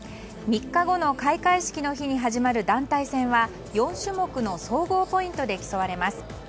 ３日後の開会式の日に始まる団体戦は４種目の総合ポイントで競われます。